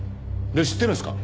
知ってるんですか？